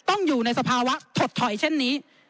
ต้องอยู่ในสภาวะถดถอยเช่นนี้